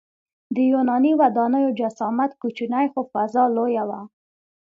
د یوناني ودانیو جسامت کوچنی خو فضا لویه وه.